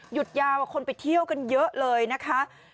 ยาวคนไปเที่ยวกันเยอะเลยนะคะ